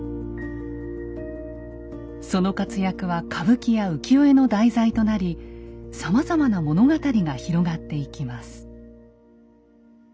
その活躍は歌舞伎や浮世絵の題材となりさまざまな物語が広がっていきます。